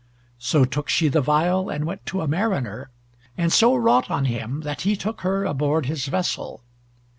So took she the viol and went to a mariner, and so wrought on him that he took her aboard his vessel.